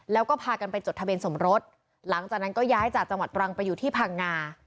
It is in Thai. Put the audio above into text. แล้วก็พากันไปจดทะเบียนสมรสหลังจากนั้นก็ย้ายจากจังหวัดตรังไปอยู่ที่พังงา